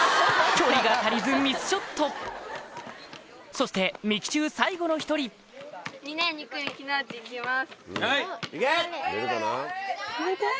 距離が足りずミスショットそして三木中最後の１人いけ！